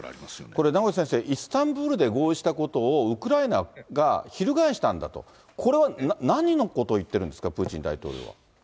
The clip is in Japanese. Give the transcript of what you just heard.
これ、名越先生、イスタンブールで合意したことを、ウクライナが翻したんだと、これはなんのことを言ってるんですか、プーチン大統領は。